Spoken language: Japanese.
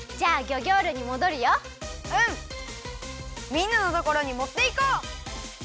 みんなのところにもっていこう！